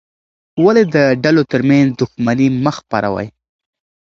ولې د ډلو ترمنځ دښمني مه خپروې؟